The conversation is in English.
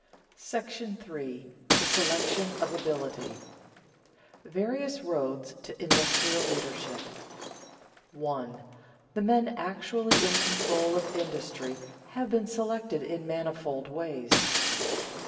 § III. THE SELECTION OF ABILITY [Sidenote: Various roads to industrial leadership] 1. _The men actually in control of industry have been selected in manifold ways.